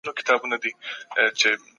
د خلګو د حقونو ساتنه وکړئ.